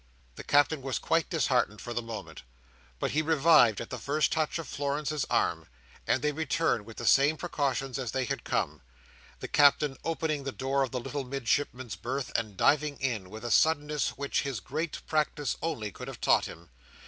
The Captain was quite disheartened for the moment, but he revived at the first touch of Florence's arm, and they returned with the same precautions as they had come; the Captain opening the door of the little Midshipman's berth, and diving in, with a suddenness which his great practice only could have taught him.